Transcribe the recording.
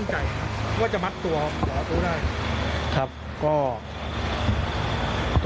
แล้วทำให้มั่นใจนะครับว่าจะมัดตัวอาตูได้ครับก็